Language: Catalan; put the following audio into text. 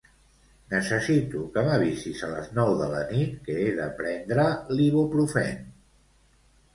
Necessito que m'avisis a les nou de la nit que he de prendre l'Iboprufèn.